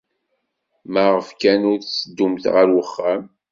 Maɣef kan ur tetteddumt ɣer wexxam?